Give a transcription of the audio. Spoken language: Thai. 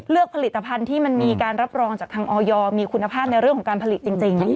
ผลิตภัณฑ์ที่มันมีการรับรองจากทางออยมีคุณภาพในเรื่องของการผลิตจริง